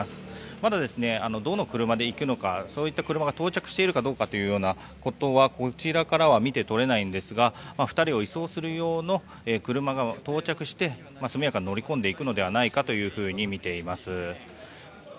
まだどの車で行くのかそういった車が到着しているかどうかということはこちらからは見て取れないんですが２人を移送する用の車が到着して速やかに乗り込んでいくのではないかとみています。